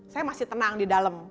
saya masih tenang di dalam